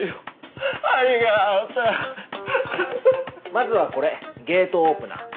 まずはこれゲートオープナー。